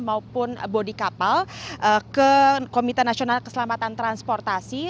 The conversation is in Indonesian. maupun bodi kapal ke komite nasional keselamatan transportasi